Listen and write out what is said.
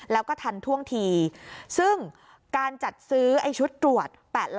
แล้วก็ทันท่วงทีซึ่งการจัดซื้อชุดตรวจ